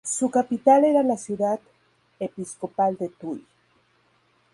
Su capital era la ciudad episcopal de Tuy.